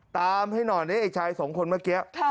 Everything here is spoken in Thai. ตามให้หน่อยเนี่ยไอ้ชายสองคนเมื่อกี้ค่ะ